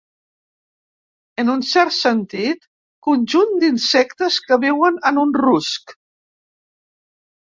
En un cert sentit, conjunt d'insectes que viuen en un rusc.